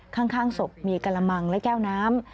ข้างศพมีกระมังและแก้วน้ำ